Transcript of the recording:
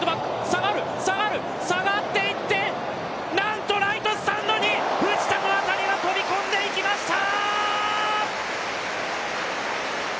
下がっていって、なんとライトスタンドに藤田の当たりは飛び込んでいきました！